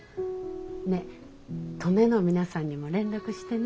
ねえ登米の皆さんにも連絡してね。